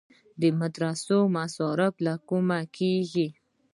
د مدرسو مصارف له کومه کیږي؟